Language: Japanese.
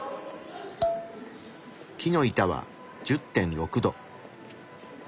木の板は１０．６℃。